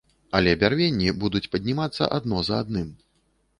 Але бярвенні будуць паднімацца адно за адным.